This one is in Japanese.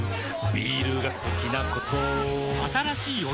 ビールが好きなことあぁーっ！